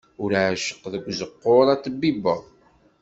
Ur ɛecceq deg uzeqquṛ, ad t-tbibbeḍ.